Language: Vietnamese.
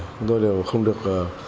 chúng tôi đều không được